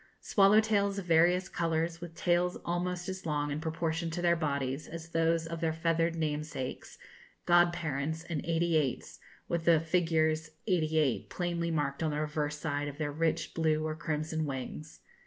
Swallow tails, of various colours, with tails almost as long, in proportion to their bodies, as those of their feathered namesakes; god parents and 'eighty eights,' with the figures 88 plainly marked on the reverse side of their rich blue or crimson wings.